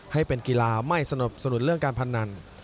ให้เป็นกีฬาไม่สนับสนุนเรื่องการพนัน